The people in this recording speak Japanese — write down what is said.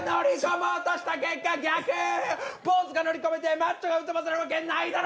ぼうずが乗り込めてマッチョが吹っ飛ばされるわけないだろ！